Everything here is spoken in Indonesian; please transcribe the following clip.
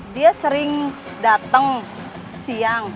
dia sering datang siang